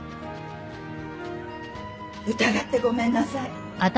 疑ってごめんなさい。